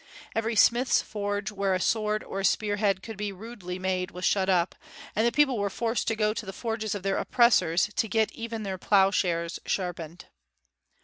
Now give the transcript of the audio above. Every smith's forge where a sword or a spear head could be rudely made was shut up, and the people were forced to go to the forges of their oppressors to get even their ploughshares sharpened.